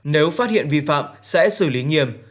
nếu phát hiện vi phạm sẽ xử lý nghiêm